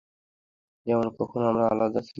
যেমন কখনও আমরা আলাদা ছিলাম না।